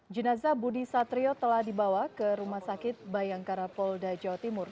jenazah budi satrio telah dibawa ke rumah sakit bayangkara polda jawa timur